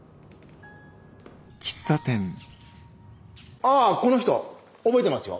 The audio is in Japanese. ああこの人覚えてますよ。